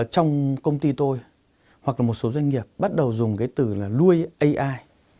trong công ty tôi hoặc là một số doanh nghiệp bắt đầu dùng cái từ là lui ai